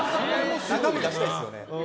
中身、出したいですよね。